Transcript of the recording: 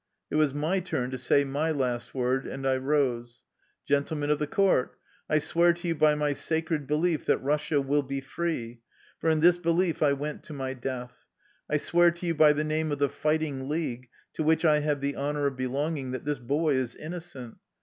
It was my turn to say my " last word," and I rose. "Gentlemen of the court: I swear to you by my sacred belief that Russia will be free, for in this belief I went to my death; I swear to you by the name of the ' fighting league,' to which I have the honor of belonging, that this boy is innocent.